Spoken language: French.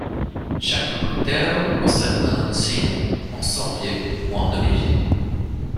Chaque buttero possède un uncino, en sorbier ou en olivier.